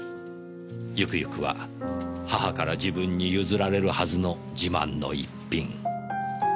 ゆくゆくは母から自分に譲られるはずの自慢の一品。